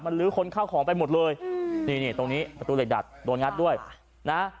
ลื้อคนเข้าของไปหมดเลยอืมนี่นี่ตรงนี้ประตูเหล็กดัดโดนงัดด้วยนะ